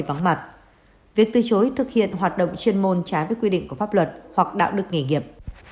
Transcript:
vắng mặt việc từ chối thực hiện hoạt động chuyên môn trái với quy định của pháp luật hoặc đạo đức nghề nghiệp